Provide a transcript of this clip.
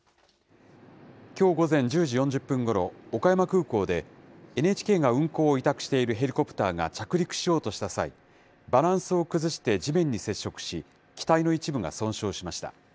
きょう午前１０時４０分ごろ、岡山空港で、ＮＨＫが運航を委託しているヘリコプターが着陸しようとした際、バランスを崩して地面に接触し、機体の一部が損傷しました。